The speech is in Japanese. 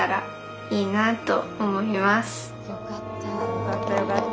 よかった！よかった。